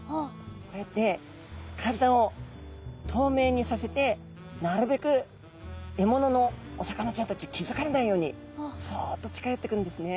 こうやって体を透明にさせてなるべく獲物のお魚ちゃんたち気付かれないようにそっと近寄ってくるんですね。